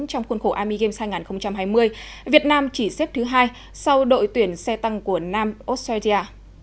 trong khuôn khổ army games hai nghìn hai mươi việt nam chỉ xếp thứ hai sau đội tuyển xe tăng của nam australia